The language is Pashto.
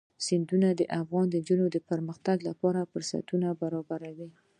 سیندونه د افغان نجونو د پرمختګ لپاره فرصتونه برابروي.